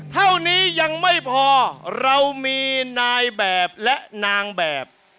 เท่านี้ยังไม่พอเรามีนายแบบและนางแบบ